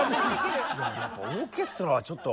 やっぱオーケストラはちょっと。